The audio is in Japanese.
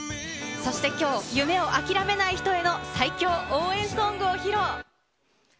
そしてきょう、夢を諦めない人への最強応援ソングを披露。